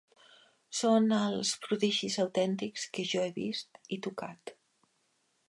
Són els prodigis autèntics que jo he vist i tocat